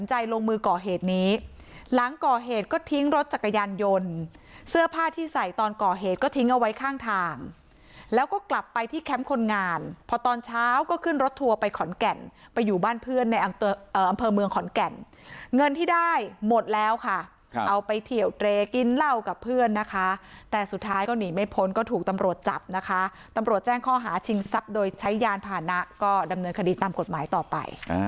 ลงมือก่อเหตุนี้หลังก่อเหตุก็ทิ้งรถจักรยานยนต์เสื้อผ้าที่ใส่ตอนก่อเหตุก็ทิ้งเอาไว้ข้างทางแล้วก็กลับไปที่แคมป์คนงานพอตอนเช้าก็ขึ้นรถทัวร์ไปขอนแก่นไปอยู่บ้านเพื่อนในอำเภอเมืองขอนแก่นเงินที่ได้หมดแล้วค่ะเอาไปเที่ยวเตรกินเหล้ากับเพื่อนนะคะแต่สุดท้ายก็หนีไม่พ้นก็ถูกตำรวจจับนะคะตำรวจแจ้งข้อหาชิงทรัพย์โดยใช้ยานผ่านะก็ดำเนินคดีตามกฎหมายต่อไป